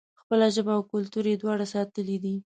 خپله ژبه او کلتور یې دواړه ساتلي دي.